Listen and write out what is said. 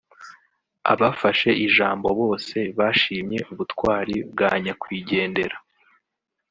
Abafashe ijambo bose bashimye ubutwari bwa nyakwigendera